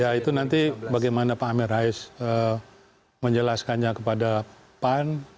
ya itu nanti bagaimana pak amin rais menjelaskannya kepada pan